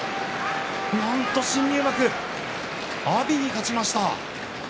なんと新入幕阿炎に勝ちました。